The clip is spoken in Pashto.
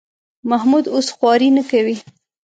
محمود اوس خواري نه کوي.